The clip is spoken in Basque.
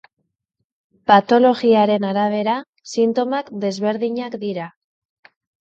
Patologiaren arabera sintomak desberdinak dira.